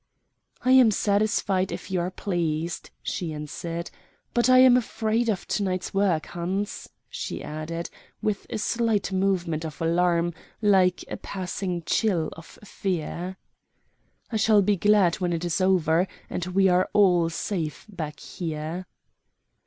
"I am satisfied if you are pleased," she answered. "But I am afraid of to night's work, Hans," she added, with a slight, movement of alarm, like a passing chill of fear. "I shall be glad when it is over, and we are all safe back here."